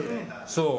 そう。